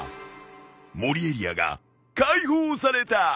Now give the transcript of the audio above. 森エリアが開放された。